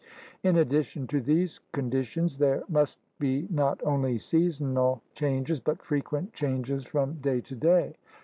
In addition to these conditions there must be not only seasonal changes, but frequent changes from day to day.